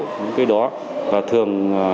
những cái đó và thường